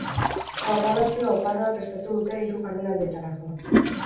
Programazio oparoa prestatu dute hiru jardunaldietarako.